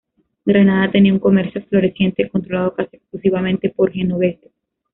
Granada tenía un comercio floreciente, controlado casi exclusivamente por genoveses.